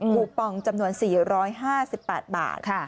ปองจำนวน๔๕๘บาท